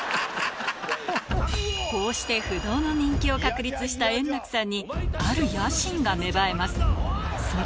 こうして不動の人気を確立した円楽さんに、ある野心が芽生えます。